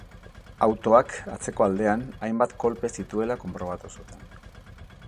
Autoak, atzeko aldean, hainbat kolpe zituela konprobatu zuten.